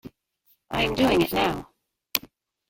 I am doing it now.